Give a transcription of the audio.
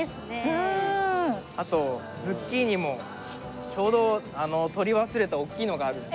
あとズッキーニもちょうどとり忘れた大きいのがあるので。